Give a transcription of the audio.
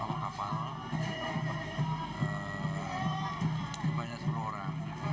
kalau kapal banyak sepuluh orang